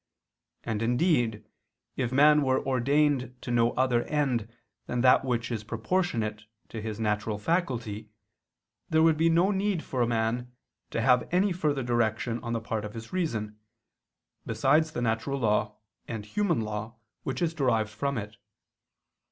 And indeed if man were ordained to no other end than that which is proportionate to his natural faculty, there would be no need for man to have any further direction of the part of his reason, besides the natural law and human law which is derived from it.